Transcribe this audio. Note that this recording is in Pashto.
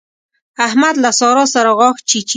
احمد له سارا سره غاښ چيچي.